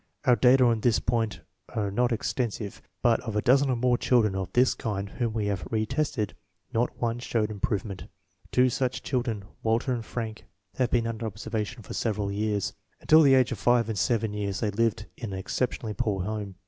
Our data on this point are not extensive, but of a dozen or more children of this kind whom we have re tested, not one showed improvement. Two such children, Walter and Frank, have been under observation for several years. Until the ages of five and seven years they lived in an excep tionally poor home.